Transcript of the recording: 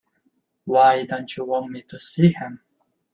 Why don't you want me to see him?